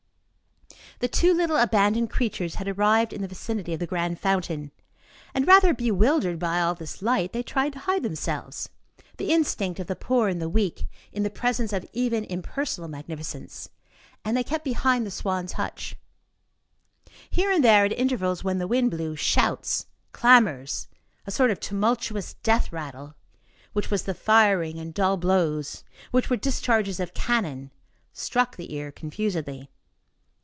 The two little abandoned creatures had arrived in the vicinity of the grand fountain, and, rather bewildered by all this light, they tried to hide themselves, the instinct of the poor and the weak in the presence of even impersonal magnificence; and they kept behind the swans' hutch. Here and there, at intervals, when the wind blew, shouts, clamor, a sort of tumultuous death rattle, which was the firing, and dull blows, which were discharges of cannon, struck the ear confusedly.